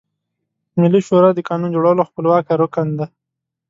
ملي شورا د قانون جوړولو خپلواکه رکن ده.